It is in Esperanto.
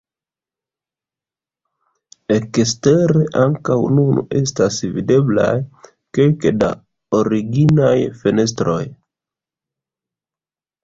Ekstere ankaŭ nun estas videblaj kelke da originaj fenestroj.